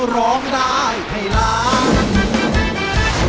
ร้องได้ให้ร้อง